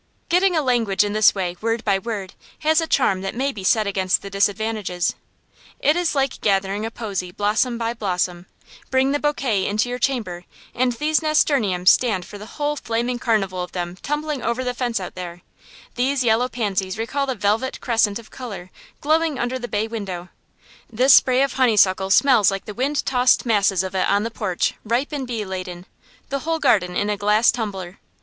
Getting a language in this way, word by word, has a charm that may be set against the disadvantages. It is like gathering a posy blossom by blossom. Bring the bouquet into your chamber, and these nasturtiums stand for the whole flaming carnival of them tumbling over the fence out there; these yellow pansies recall the velvet crescent of color glowing under the bay window; this spray of honeysuckle smells like the wind tossed masses of it on the porch, ripe and bee laden; the whole garden in a glass tumbler.